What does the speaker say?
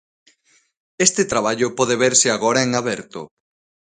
Este traballo pode verse agora en aberto.